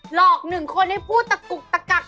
หลอกหนึ่งคนให้พูดตะกุกตะกัก